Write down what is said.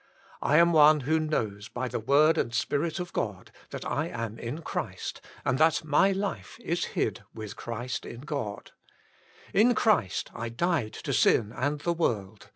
I am one who knows, by the word and Spirit of God, that.X,amin .Chxist, and that my life is hid with Christ in God. In Christ I died to sin and the world.